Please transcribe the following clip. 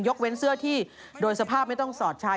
เว้นเสื้อที่โดยสภาพไม่ต้องสอดใช้